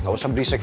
gak usah berisik